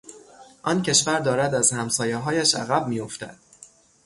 آن کشور دارد از همسایههایش عقب میافتد.